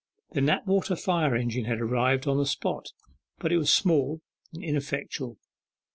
The Knapwater fire engine had arrived on the spot, but it was small, and ineffectual.